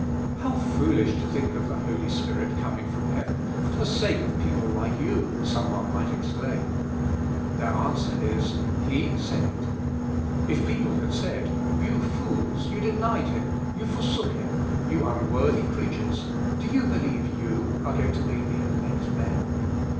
How foolish to think of the Holy Spirit coming from heaven for the sake of people like you I some one might exclaim. Their answer is, He said it. If people had Scdd, You fools! you denied Him, you BB TltJ.^T> WITH the: spirit. 85 forsook Him, you unworthy creatures! do you be lieve you are going to be the elect men?